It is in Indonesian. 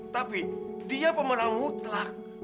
tapi dia pemerang mutlak